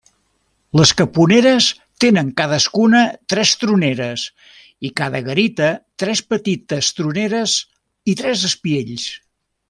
Les caponeres tenen cadascuna tres troneres, i cada garita tres petites troneres i tres espiells.